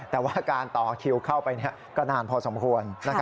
แต่ว่าการต่อคิวเข้าไปก็นานพอสมควร